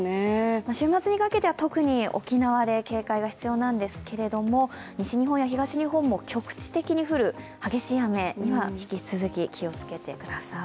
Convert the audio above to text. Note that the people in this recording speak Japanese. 週末にかけては特に沖縄で警戒が必要なんですけど西日本や東日本も局地的に降る激しい雨に引き続き気をつけてください。